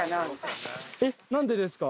えっなんでですか？